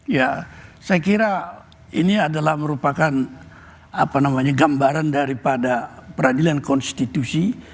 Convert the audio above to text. ya saya kira ini adalah merupakan gambaran daripada peradilan konstitusi